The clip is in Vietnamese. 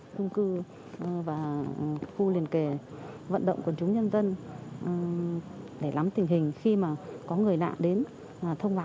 thung cư và khu liên kề vận động của chúng nhân dân